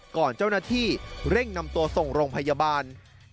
ก่อนเจ้าหน้าที่เร่งนำตัวส่งโรงพยาบาล